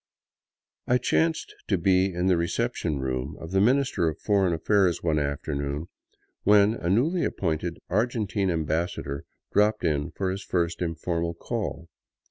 I chanced to be in the reception room of the Minister of Foreign Affairs one afternoon when a newly appointed Argentine ambassador dropped in for his first informal call.